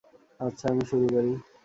আচ্ছা, আমি শুরু করি।